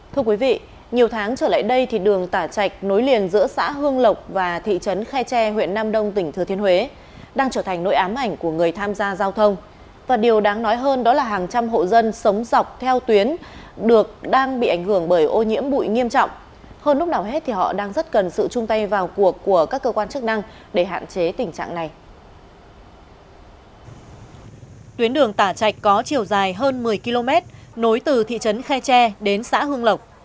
tuyến đường tả chạch có chiều dài hơn một mươi km nối từ thị trấn khe tre đến xã hương lộc